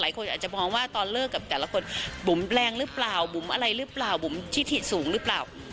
หลายคนอาจจะมองว่าตอนเลิกกับแต่ละคนบุ๋มแรงหรือเปล่าบุ๋มอะไรหรือเปล่าบุ๋มที่ถีดสูงหรือเปล่า